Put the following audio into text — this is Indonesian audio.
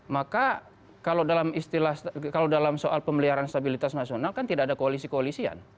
maka kalau dalam istilah kalau dalam soal pemeliharaan stabilitas nasional kan tidak ada koalisi koalisian